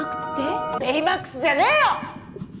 ベイマックスじゃねえよ！